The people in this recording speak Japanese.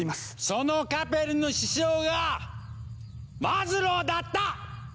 そのカペルの師匠がマズローだった！